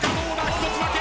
１つだけ！